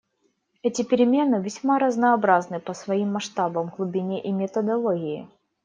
Эти перемены весьма разнообразны по своим масштабам, глубине и методологии.